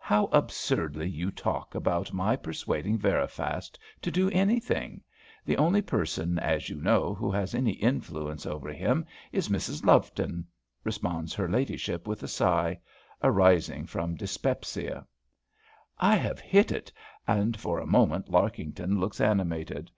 "How absurdly you talk about my persuading Veriphast to do anything? the only person, as you know, who has any influence over him is Mrs Loveton," responds her ladyship, with a sigh arising from dyspepsia. "I have hit it;" and for a moment Larkington looks animated.